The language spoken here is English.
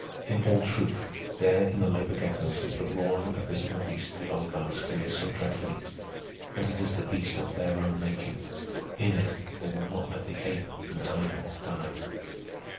In all truth, there in the labor ghettos is the roaring abysmal beast the oligarchs fear so dreadfully—but it is the beast of their own making. In it they will not let the ape and tiger die.